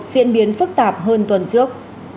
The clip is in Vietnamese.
diễn biến phức tạp hơn tuần trước